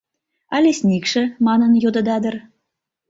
«А лесникше?» манын йодыда дыр.